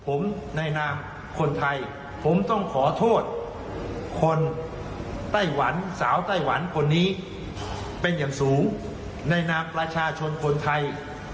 ผมในนามคนไทยผมต้องขอโทษคนไต้หวันสาวไต้หวันคนนี้เป็นอย่างสูงในนามประชาชนคนไทย